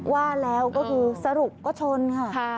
ว่าแล้วก็คือสรุปก็ชนค่ะ